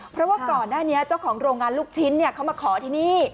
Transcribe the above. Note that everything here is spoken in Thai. เพราะว่าก่อนหน้านี้เจ้าของโรงงานลูกชิ้นเขามาขอที่นี่